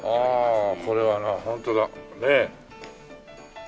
ああこれはなホントだ。ねえ。